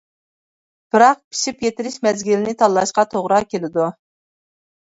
بىراق پىشىپ يېتىلىش مەزگىلىنى تاللاشقا توغرا كېلىدۇ.